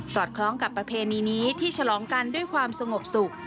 คล้องกับประเพณีนี้ที่ฉลองกันด้วยความสงบสุข